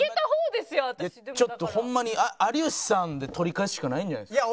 ちょっとホンマに有吉さんで取り返すしかないんじゃないですか？